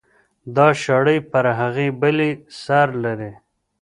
دا شړۍ پر هغې بلې سر لري.